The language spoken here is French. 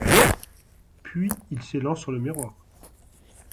Puis il s'élance sur le miroir.